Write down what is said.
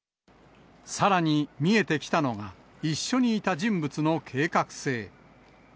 さらに見えてきたのが、一緒にいた人物の計画性。